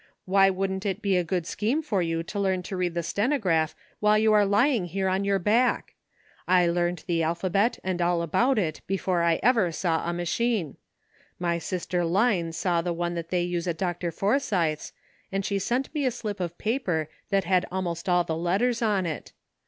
Why wouldn't it be a good scheme for you to learn to read the stenograph while you are lying here on your back? I learned the alphabet and all about it before I ever saw a machine. My sis ter Line saw the one that they use at Dr. For sythe's, and she sent me a slip of paper that had most all the letters on it.